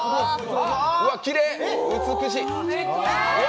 うわ、きれい、美しい。